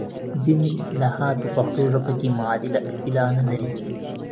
ځینې اصطلاحات په پښتو ژبه کې معادله اصطلاح نه لري.